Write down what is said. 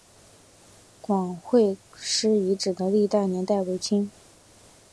广惠寺遗址的历史年代为清。